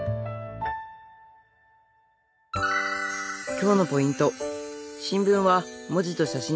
今日のポイント